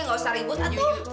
gak usah ribut atoh